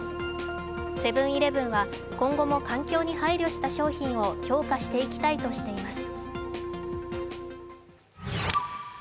セブン−イレブンは今後も環境に配慮した商品を強化していきたいとしています。